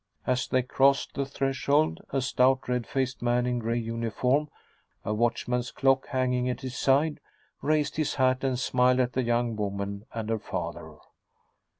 As they crossed the threshold a stout, red faced man in a gray uniform, a watchman's clock hanging at his side, raised his hat and smiled at the young woman and her father.